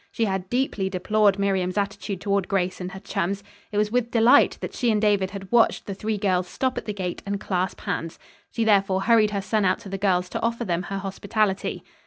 She had deeply deplored Miriam's attitude toward Grace and her chums. It was with delight that she and David had watched the three girls stop at the gate and clasp hands. She therefore hurried her son out to the girls to offer them her hospitality.